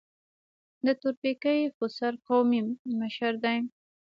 د تورپیکۍ خوسر قومي مشر دی.